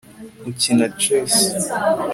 ukina chess